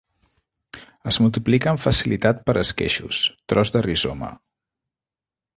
Es multiplica amb facilitat per esqueixos, tros de rizoma.